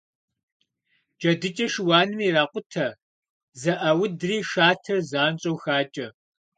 Джэдыкӏэ шыуаным иракъутэ, зэӏаудри шатэр занщӏэу хакӏэ.